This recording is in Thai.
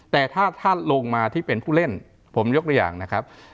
แต่ถ้าท่านลงมาที่เป็นผู้เล่นผมยกตัวอย่างนะครับ